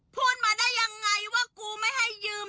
พูดมาได้ยังไงว่ากูไม่ให้ยืม